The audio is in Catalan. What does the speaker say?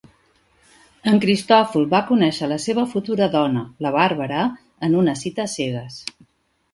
En Cristòfol va conèixer la seva futura dona, la Barbara, en una cita a cegues.